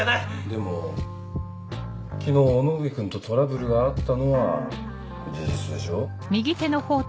でも昨日尾ノ上君とトラブルがあったのは事実でしょう？